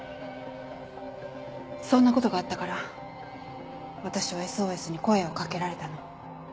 そんなことがあったから私は「ＳＯＳ」に声を掛けられたの。